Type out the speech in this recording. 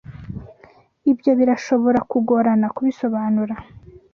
Ibyo birashobora kugorana kubisobanura.